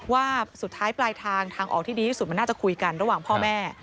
ว่าสุดท้ายปลายทางทางออกที่ดีที่สุดมันน่าจะคุยกันระหว่างพ่อแม่